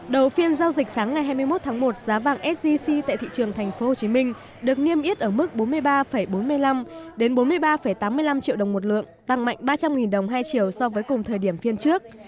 đầu phiên giao dịch sáng ngày hai mươi một tháng một giá vàng sgc tại thị trường tp hcm được niêm yết ở mức bốn mươi ba bốn mươi năm bốn mươi ba tám mươi năm triệu đồng một lượng tăng mạnh ba trăm linh đồng hai triệu so với cùng thời điểm phiên trước